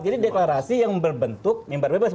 jadi deklarasi yang berbentuk imbar bebas